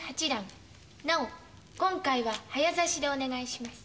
なお今回は早指しでお願いします。